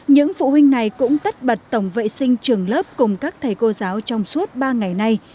những phụ huynh này cũng tất bật tổng vệ sinh trường lớp cùng các thầy cô giáo trong suốt ba ngày nay